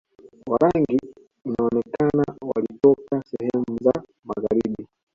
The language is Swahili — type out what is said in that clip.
Warangi inaonekana walitoka sehemu za magharibi